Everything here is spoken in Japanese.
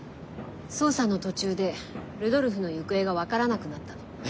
捜査の途中でルドルフの行方が分からなくなったの。え？